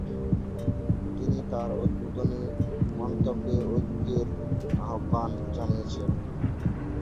তিনি তার উদ্বোধনী মন্তব্যে ঐক্যের আহ্বান জানিয়েছেন।